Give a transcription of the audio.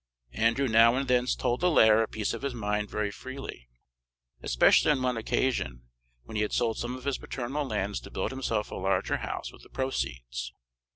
Andrew now and then told the laird a piece of his mind very freely; especially on one occasion, when he had sold some of his paternal lands to build himself a larger house with the proceeds.